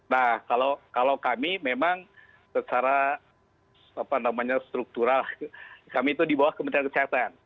nah kalau kami memang secara struktural kami itu di bawah kementerian kesehatan